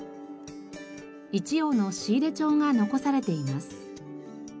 一葉の仕入れ帳が残されています。